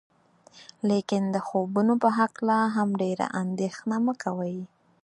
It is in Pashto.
لیکن د خوبونو په هکله هم ډیره اندیښنه مه کوئ.